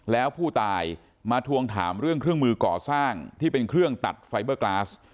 แล้วผู้ตายมาทวงถามเรื่องเครื่องมือก่อสร้างที่เป็นเครื่องตัดไฟเบอร์กราส